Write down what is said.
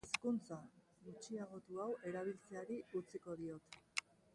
Hizkuntza gutxiagotu hau erabiltzeari utziko diot.